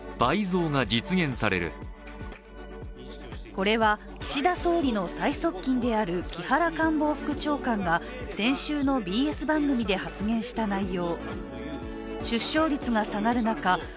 これは岸田総理の最側近である木原官房副長官が先週のＢＳ番組で発言した内容。